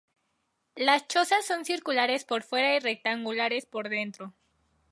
Las chozas son circulares por fuera y rectangulares por dentro.